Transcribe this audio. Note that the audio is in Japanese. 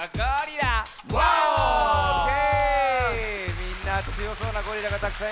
みんなつよそうなゴリラがたくさんいました。